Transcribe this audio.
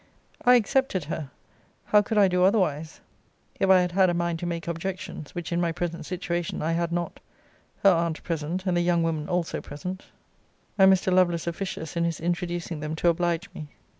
I accepted her: How could I do otherwise, (if I had had a mind to make objections, which, in my present situation, I had not,) her aunt present, and the young woman also present; and Mr. Lovelace officious in his introducing them, to oblige me?